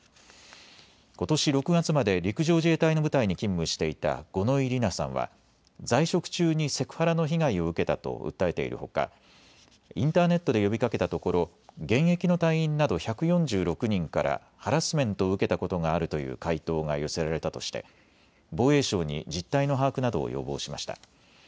ことし６月まで陸上自衛隊の部隊に勤務していた五ノ井里奈さんは在職中にセクハラの被害を受けたと訴えているほか、インターネットで呼びかけたところ、現役の隊員など１４６人からハラスメントを受けたことがあるという回答が寄せられたとして防衛省に実態の把握などを要望しました。